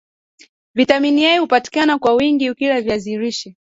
Vitamin A hupatikana kwa wingi ukila viazi lishe